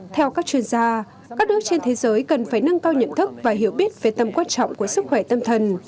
theo các chuyên gia các nước trên thế giới cần phải nâng cao nhận thức và hiểu biết về tâm quan trọng của sức khỏe tâm thần